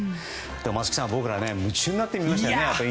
松木さん、僕ら夢中になって見ましたよね。